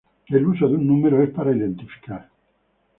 El uso de un número es para identificar.